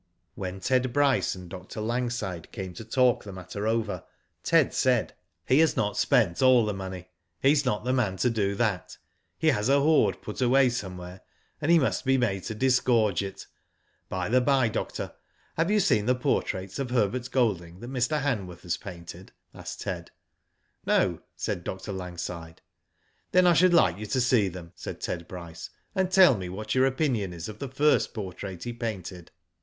When Ted Bryce and Dr. Langside came to talk the matter over, Ted said :" He has not spent all the money. He's not the man to do that. He has a hoard put away somewhere, and he must be made to disgorge it. By the by, doctor, have you seen the portraits of Herbert Golding that Mr. Han worth has painted ?" asked Ted. *^ No," said Dr. Langside. ^* Then I should like you to see them," said Ted Bryce ;'* and tell me what your opinion is of the first portrait he painted."